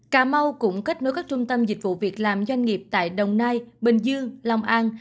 cà mau cũng kết nối các trung tâm dịch vụ việc làm doanh nghiệp tại đồng nai bình dương long an